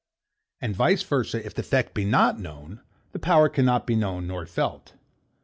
And vice versa, if the effect be not known, the power cannot be known nor felt.